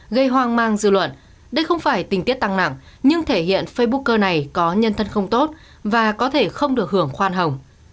gây hoang mang dư luận đây không phải tình tiết tăng nặng nhưng thể hiện facebook cơ này có nhân thân không tốt và có thể không được hưởng khoan hồng